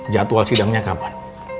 jadwal sidangnya kapan